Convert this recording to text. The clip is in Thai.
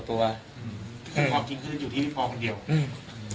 พอจริงคืออยู่ที่พี่พอคนเดียว